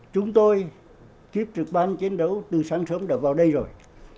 chúng tôi kiếp trực ban chiến đấu từ sáng sớm đã vào đây rồi